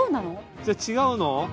じゃあ違うの？